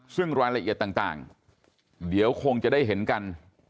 ซึ่งรายละเอียดต่างเดี๋ยวคงจะได้เห็นกัน